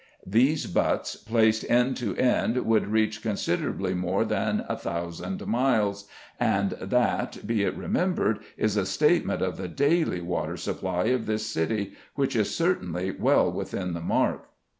These butts placed end to end would reach considerably more than 1,000 miles, and that, be it remembered, is a statement of the daily water supply of this city, which is certainly well within the mark.